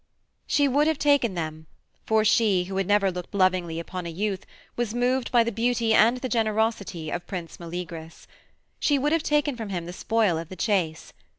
She would have taken them, for she, who had never looked lovingly upon a youth, was moved by the beauty and the generosity of Prince Meleagrus. She would have taken from him the spoil of the chase.